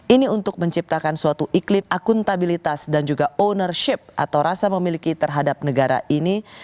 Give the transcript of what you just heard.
ini untuk menciptakan suatu iklim akuntabilitas dan juga ownership atau rasa memiliki terhadap negara ini